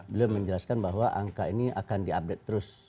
beliau menjelaskan bahwa angka ini akan diupdate terus